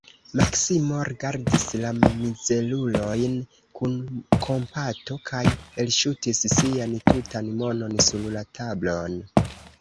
Maksimo rigardis la mizerulojn kun kompato kaj elŝutis sian tutan monon sur la tablon.